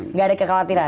nggak ada kekhawatiran